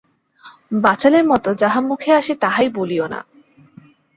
বাচালের মতো যাহা মুখে আসে তাহাই বলিয়ো না।